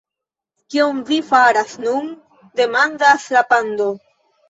"Kion vi faras nun?" demandas la pando.